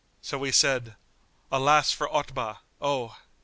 So we said, "Alas for Otbah, oh!